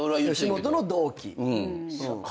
吉本の同期。